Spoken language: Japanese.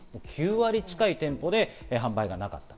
９割近い店舗で販売がなかった。